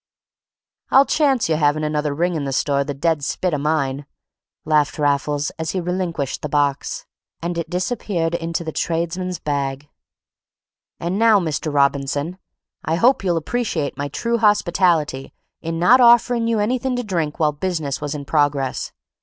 "I'll chance you having another ring in the store the dead spit of mine," laughed Raffles, as he relinquished the box, and it disappeared into the tradesman's bag. "And now, Mr. Robinson, I hope you'll appreciate my true hospitality in not offering you any thing to drink while business was in progress.